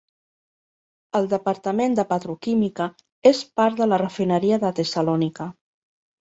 El departament de petroquímica és part de la refineria de Tessalònica.